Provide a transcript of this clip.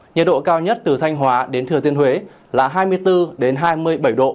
nhiệt độ cao nhất từ thanh hóa đến thừa tiên huế là hai mươi bốn hai mươi bảy độ